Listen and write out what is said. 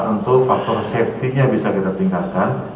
tentu faktor safety nya bisa kita tingkatkan